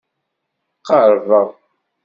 Qerrbeɣ.